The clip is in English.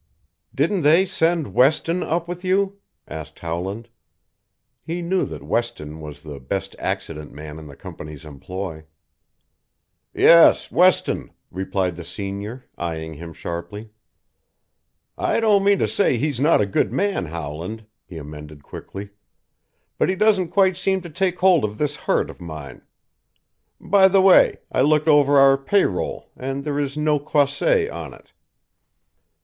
"Didn't they send Weston up with you?" asked Howland. He knew that Weston was the best "accident man" in the company's employ. "Yes Weston," replied the senior, eying him sharply. "I don't mean to say he's not a good man, Howland," he amended quickly. "But he doesn't quite seem to take hold of this hurt of mine. By the way, I looked over our pay roll and there is no Croisset on it."